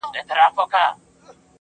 لار مې درنه بل لور ته خماره ورکه کړې ده